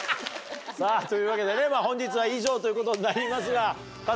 さぁというわけでね本日は以上ということになりますが。